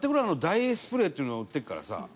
ダイエースプレーっていうのが売ってるからさ。